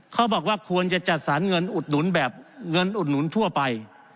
เขาบอกว่าควรจะจัดสรรเงินอุดหนุนแบบเงินอุดหนุนทั่วไป